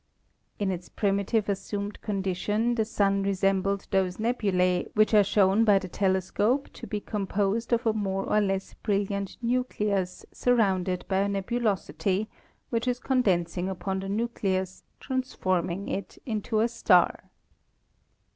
"In its primi tive assumed condition the Sun resembled those nebulae which are shown by the telescope to be composed of a more or less brilliant nucleus surrounded by a nebulosity which is condensing upon the nucleus, transforming it into a star."